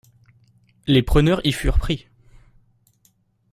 Les preneurs y furent pris.